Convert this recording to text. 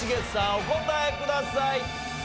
お答えください。